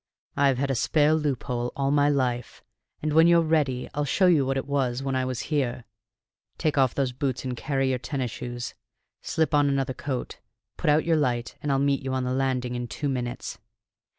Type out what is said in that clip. I've had a spare loophole all my life, and when you're ready I'll show you what it was when I was here. Take off those boots, and carry your tennis shoes; slip on another coat; put out your light; and I'll meet you on the landing in two minutes."